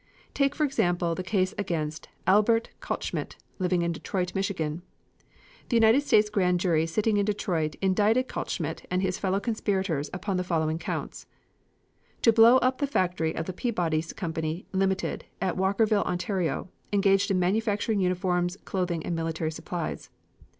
Take for example the case against Albert Kaltschmidt, living in Detroit, Michigan. The United States grand jury sitting in Detroit indicted Kaltschmidt and his fellow conspirators upon the following counts: "To blow up the factory of the Peabody's Company, Limited, at Walkerville, Ontario, ... engaged in manufacturing uniforms, clothing and military supplies